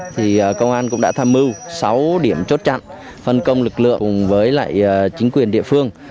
thì công an cũng đã tham mưu sáu điểm chốt chặn phân công lực lượng với lại chính quyền địa phương